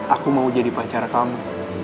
aku mau jadi pacara kamu